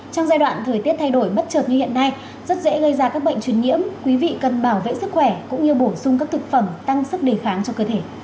trong giai đoạn thời tiết thay đổi bất chợt như hiện nay rất dễ gây ra các bệnh truyền nhiễm quý vị cần bảo vệ sức khỏe cũng như bổ sung các thực phẩm tăng sức đề kháng cho cơ thể